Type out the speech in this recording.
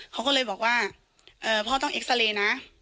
เขาก็เลยบอกว่าพ่อต้องเอ็กซาเรย์นะ